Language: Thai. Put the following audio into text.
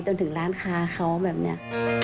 จนถึงร้านค้าเขาแบบนี้